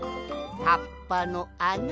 はっぱのあな。